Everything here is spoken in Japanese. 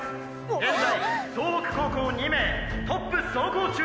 現在総北高校２名トップ走行中です。